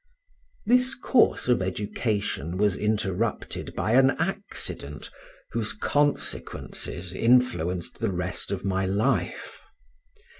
This course of education was interrupted by an accident, whose consequences influenced the rest of my life.